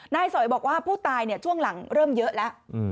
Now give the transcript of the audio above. นายสวัยบอกว่าผู้ตายเนี่ยช่วงหลังเริ่มเยอะแล้วอืม